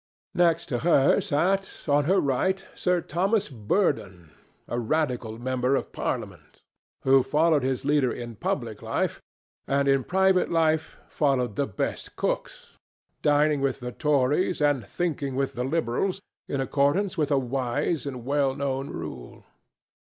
Next to her sat, on her right, Sir Thomas Burdon, a Radical member of Parliament, who followed his leader in public life and in private life followed the best cooks, dining with the Tories and thinking with the Liberals, in accordance with a wise and well known rule.